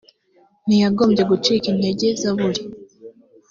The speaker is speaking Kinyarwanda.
ntiyagombye gucika intege zaburi